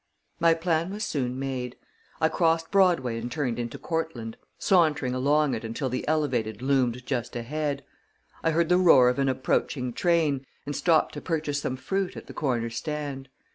My plan was soon made. I crossed Broadway and turned into Cortlandt, sauntering along it until the Elevated loomed just ahead; I heard the roar of an approaching train, and stopped to purchase some fruit at the corner stand.